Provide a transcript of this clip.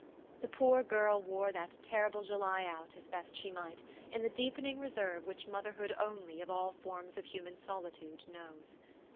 The poor girl wore that terrible July out as best she might, in the deepening reserve which mother hood only of all forms of human solitude knows.